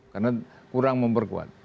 karena kurang memperkuat